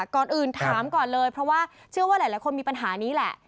ก่อนอื่นถามก่อนเลยเพราะว่าเชื่อว่าหลายคนมีปัญหานี้แหละ